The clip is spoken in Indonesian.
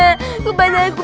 bangun bangun bangun